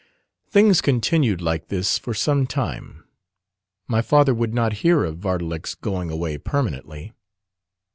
Things continued like this for some time. My father would not hear of Vardalek's going away permanently.